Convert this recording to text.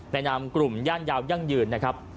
นามกลุ่มย่านยาวยั่งยืนนะครับ